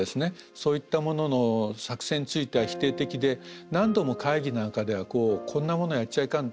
そういったものの作戦については否定的で何度も会議なんかではこんなものやっちゃいかん。